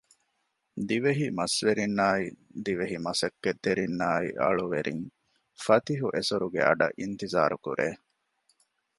ދިވެހި މަސްވެރިންނާއި ދިވެހި މަސައްކަތްތެރިންނާއި އަޅުވެރިން ފަތިހު އެސޮރުގެ އަޑަށް އިންތިޒާރު ކުރޭ